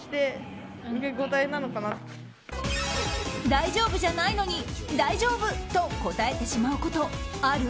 大丈夫じゃないのに大丈夫！と答えてしまうことある？